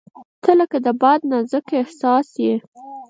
• ته لکه د باد نازک احساس یې.